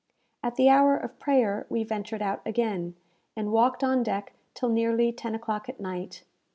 At the hour of prayer we ventured out again, and walked on deck till nearly ten o'clock at night.